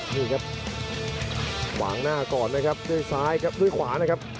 นี่ครับขวางหน้าก่อนนะครับด้วยซ้ายครับด้วยขวานะครับ